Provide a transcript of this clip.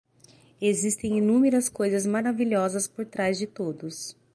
Existem inúmeras coisas maravilhosas por trás de todos.